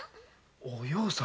お葉さん？